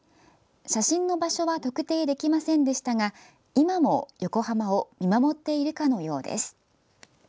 写真の場所は特定できませんでしたが今も横浜を見守っているかのようです。